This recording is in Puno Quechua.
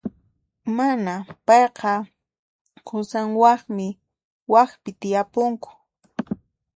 Mana, payqa qusanwanmi waqpi tiyapunku.